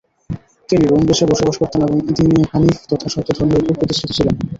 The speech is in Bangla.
তিনি রোম দেশে বসবাস করতেন এবং দীনে হানীফ তথা সত্য ধর্মের উপর প্রতিষ্ঠিত ছিলেন।